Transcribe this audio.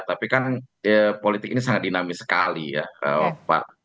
tapi kan politik ini sangat dinamis sekali ya pak